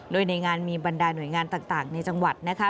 โดยในงานมีบรรดาหน่วยงานต่างในจังหวัดนะคะ